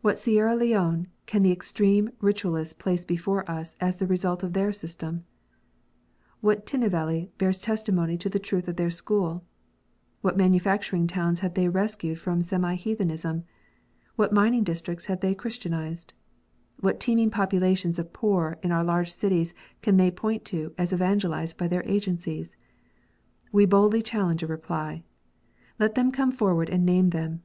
What Sierra Leone can the extreme Ritualists place before us as the result of their system ? What Tinnevelly bears testimony to the truth of their school 1 What manufacturing towns have they rescued from semi heathenism 1 ? What mining districts have they Christianized 1 What teeming populations of poor in our large cities can they point to, as evangelized by their agencies 1 We boldly challenge a reply. Let them come forward and name them.